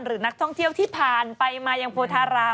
หรือนักท่องเที่ยวที่ผ่านไปมายังโพธาราม